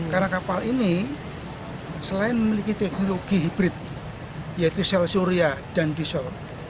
karena kapal ini selain memiliki teknologi hibrid yaitu sel surya dan diesel